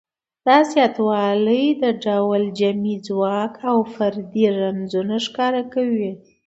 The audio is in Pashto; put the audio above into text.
دا زیاتوالی د ډول جمعي ځواک او فردي رنځونه ښکاره کوي.